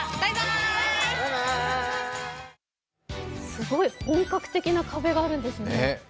すごい、本格的な壁があるんですね。